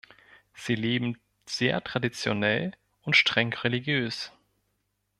Sie leben sehr traditionell und streng religiös.